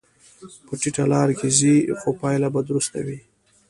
په ټیټه لار کې ځې، خو پایله به درسته وي.